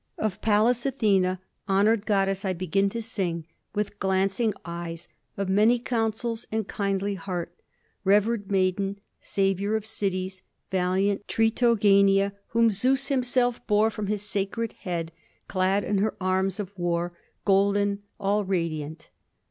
"Of Pallas Athena, honored goddess, I begin to sing, with glancing eyes, of many counsels and kindly heart, revered maiden, savior of cities, valiant, Tritogenia, whom Zeus himself bore from his sacred head, clad in her arms of war, golden, all radiant.